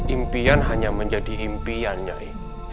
impian hanya menjadi impian i